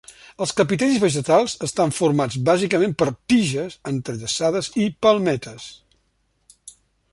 Els capitells vegetals estan formats bàsicament per tiges entrellaçades i palmetes.